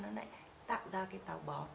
nó lại tạo ra cái tàu bón